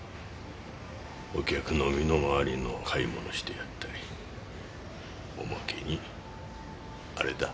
お客の身の回りの買い物をしてやったりおまけにあれだ。